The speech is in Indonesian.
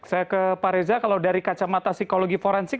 saya ke pak reza kalau dari kacamata psikologi forensik